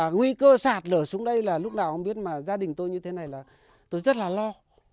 nguy cơ sạt lở xuống đây là lúc nào không biết mà gia đình tôi như thế này là tôi rất là lo